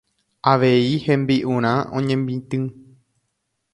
Avei hembi'urã oñemitỹ.